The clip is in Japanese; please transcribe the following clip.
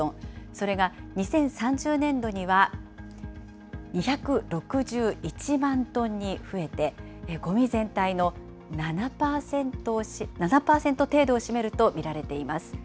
それが２０３０年度には２６１万トンに増えて、ごみ全体の７％程度を占めると見られています。